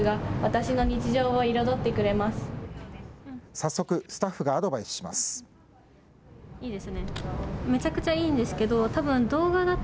早速、スタッフがアドバイスします。